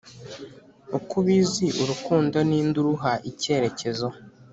ukubizi urukundo ninde uruha icyerekezo